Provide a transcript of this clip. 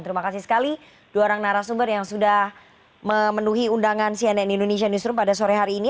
terima kasih sekali dua orang narasumber yang sudah memenuhi undangan cnn indonesia newsroom pada sore hari ini